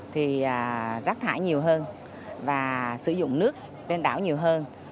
thì rác thải nhiều hơn và sử dụng nước trên đảo nhiều hơn